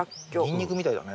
ニンニクみたいだね。